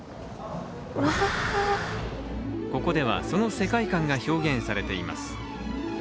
ここでは、その世界観が表現されています。